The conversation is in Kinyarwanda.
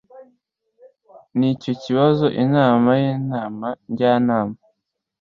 n icyo kibazo inama y inama njyanama